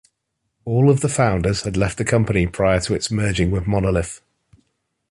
All of the founders had left the company prior to its merging with Monolith.